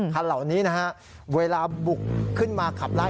คันเหล่านี้นะฮะเวลาบุกขึ้นมาขับไล่